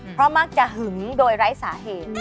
เพราะมักจะหึงโดยไร้สาเหตุ